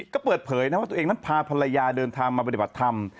ก็เปิดเผยนะว่าตัวเองนั้นพาภรรยาเดินทางมาปฏิบัติธรรม